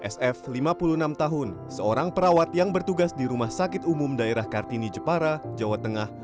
sf lima puluh enam tahun seorang perawat yang bertugas di rumah sakit umum daerah kartini jepara jawa tengah